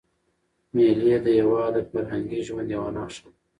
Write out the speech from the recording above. مېلې د هېواد د فرهنګي ژوند یوه نخښه ده.